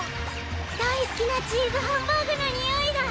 だいすきなチーズハンバーグのにおいだ。